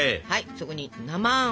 そこに生あん